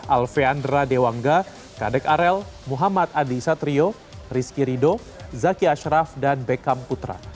alfeandra dewangga kadek arel muhammad adi satrio rizky rido zaki ashraf dan bekam putra